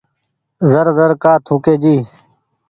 زر زر ڪآ ٿوُڪي جي۔